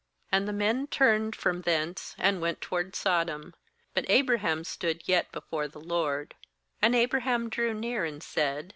^And the men turned from thence, and went toward Sodom; but Abraham stood yet before the LORD. ^And Abraham drew near, and said.